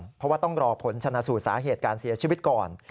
เพราะว่าต้องรอผลชนะสูตรสาเหตุการเสียชีวิตก่อน